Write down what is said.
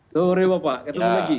sore bapak ketemu lagi